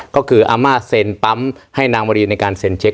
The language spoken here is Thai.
ก็คืออาม่าเซ็นปั๊มให้นางวรีในการเซ็นเช็ค